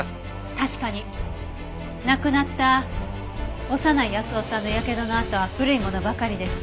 確かに亡くなった長内保男さんの火傷の痕は古いものばかりでした。